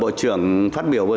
nói đến bộ trưởng phát biểu vừa rồi